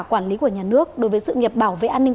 quản lý của nhà nước đối với sự nghiệp bảo vệ an ninh